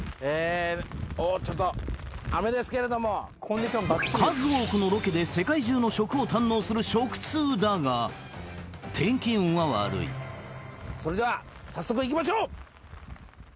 おちょっと雨ですけれども数多くのロケで世界中の食を堪能する食通だが天気運は悪いそれでは早速行きましょう！